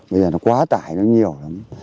bây giờ nó quá tải nó nhiều lắm